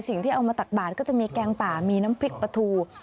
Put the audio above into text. สิ่งที่เอามาตักบาดก็จะมีแกงป่ามีน้ำพริกปลาทู